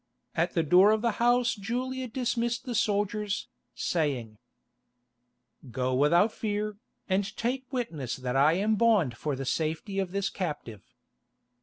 At the door of the house Julia dismissed the soldiers, saying: "Go without fear, and take witness that I am bond for the safety of this captive."